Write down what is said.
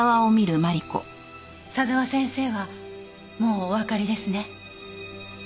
佐沢先生はもうおわかりですね？